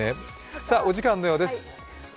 さて、お時間のようです。